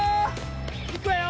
いくわよ。